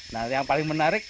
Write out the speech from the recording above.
nah yang paling menarik